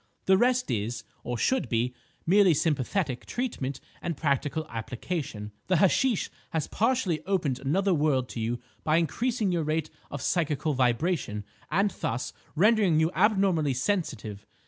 The rest is, or should be, merely sympathetic treatment and practical application. The hashish has partially opened another world to you by increasing your rate of psychical vibration, and thus rendering you abnormally sensitive.